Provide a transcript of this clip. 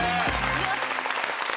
よし。